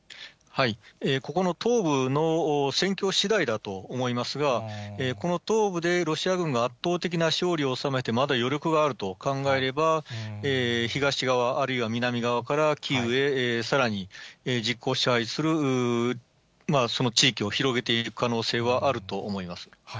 ここの東部の戦況しだいだと思いますが、この東部でロシア軍が圧倒的な勝利を収めて、まだ余力があると考えれば、東側、あるいは南側からキーウへさらに実効支配する、その地域を広げていく可能性はあると思います。